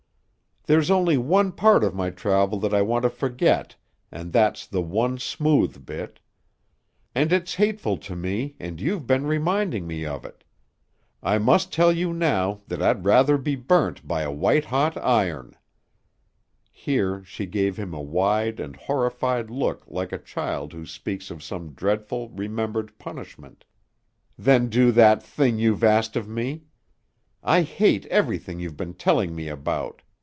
"There's only one part of my travel that I want to forget and that's the one smooth bit. And it's hateful to me and you've been reminding me of it. I must tell you now that I'd rather be burnt by a white hot iron" here she gave him a wide and horrified look like a child who speaks of some dreadful remembered punishment "than do that thing you've asked of me. I hate everything you've been telling me about.